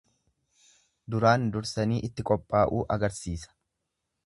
Duraan dursanii itti qophaa'uu agarsiisa.